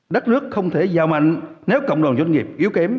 đất nước không thể giàu mạnh nếu cộng đồng doanh nghiệp yếu kém